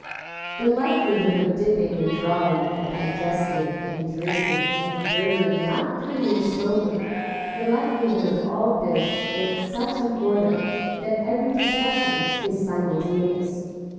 The likelihood of dipping and drawing and digesting and drinking and dirtying not dirtying smoking, the likelihood of all this makes such an order that every discussion is simultaneous.